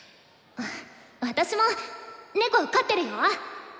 私も猫飼ってるよ。